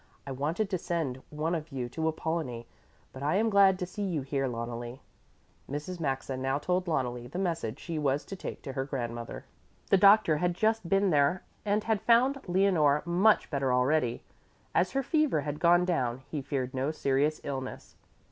I wanted to send one of you to Apollonie, but I am glad to see you here, Loneli." Mrs. Maxa now told Loneli the message she was to take to her grandmother. The doctor had just been there and had found Leonore much better already. As her fever had gone down, he feared no serious illness.